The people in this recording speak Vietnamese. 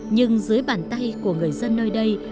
nhưng dưới bàn tay của người dân nơi đây